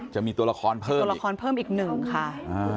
จะมีตัวละครเพิ่มตัวละครเพิ่มอีกหนึ่งค่ะ